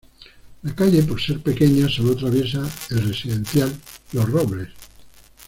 La calle por ser pequeña sólo atraviesa el Residencial Los Robles.